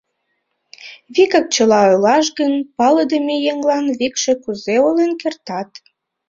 Вигак чыла ойлаш гын, палыдыме еҥлан викше кузе ойлен кертат?